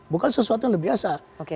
bukan sesuatu yang biasa